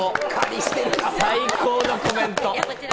最高のコメント！